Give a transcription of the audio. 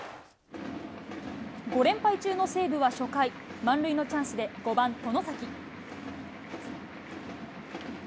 ５連敗中の西武は初回、満塁のチャンスで５番外崎。